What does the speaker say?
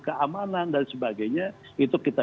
keamanan dan sebagainya itu kita